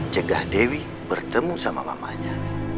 cegah dewi bertemu sama mamanya